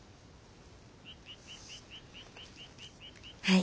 はい。